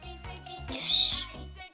よし。